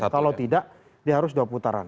kalau tidak dia harus dua putaran